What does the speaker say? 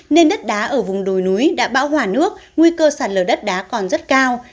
nên đất đá ở vùng đồi núi đã bão hỏa nước nguy cơ sạt lở đất đá còn rất cao